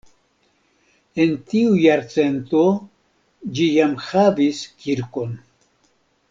En tiu jarcento ĝi jam havis kirkon.